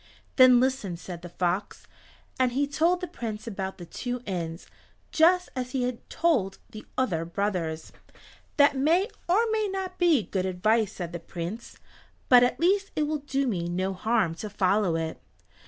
"Then listen," said the fox; and he told the Prince about the two inns, just as he had told the other brothers. "That may or may not be good advice," said the Prince, "but at least it will do me no harm to follow it."